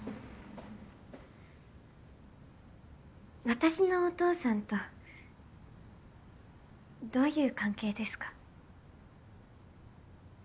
私のお父さんとどういう関係ですか？